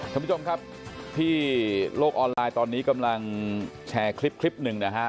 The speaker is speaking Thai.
ท่านผู้ชมครับที่โลกออนไลน์ตอนนี้กำลังแชร์คลิปคลิปหนึ่งนะฮะ